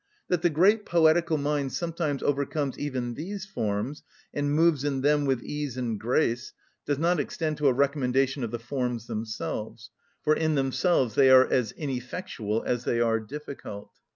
That the great poetical mind sometimes overcomes even these forms, and moves in them with ease and grace, does not extend to a recommendation of the forms themselves, for in themselves they are as ineffectual as they are difficult.